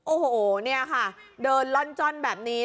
โอ้โหเนี่ยค่ะเดินล่อนจ้อนแบบนี้